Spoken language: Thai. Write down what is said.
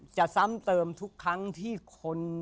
ซ้ำเติมทุกครั้งที่คน